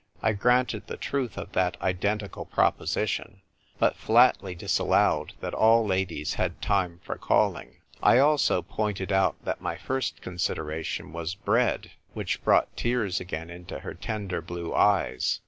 I granted the truth of that identical proposition, but flatly disallowed that all ladies had time for calling. I also pointed out that my first consideration was bread, which brought tears again into her tender blue eyes.